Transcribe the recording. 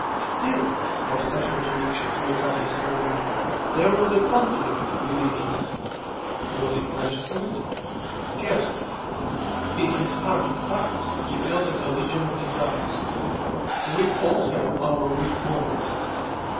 Still (for such contradictions make up the soul of man) there was a conflict within him. Was he conscious of it? Scarcely. In his heart of hearts he felt a collision of desires. We all have our weak points.